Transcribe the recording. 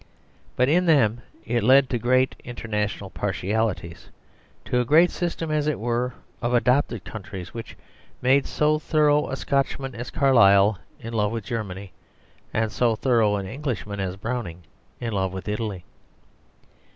But in them it led to great international partialities, to a great system, as it were, of adopted countries which made so thorough a Scotchman as Carlyle in love with Germany, and so thorough an Englishman as Browning in love with Italy.